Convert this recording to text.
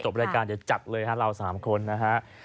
ครบรายการจะจัดเลยค่ะเรา๓คนนะฮะ